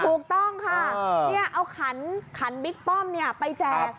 ถูกต้องค่ะเอาขันขันบิ๊กป้อมไปแจก